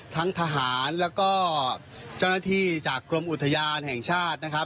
ทั้งทหารแล้วก็เจ้าหน้าที่จากกรมอุทยานแห่งชาตินะครับ